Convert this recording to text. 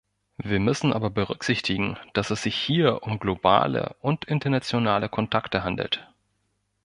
Wir müssen aber berücksichtigen, dass es sich hier um globale und internationale Kontakte handelt.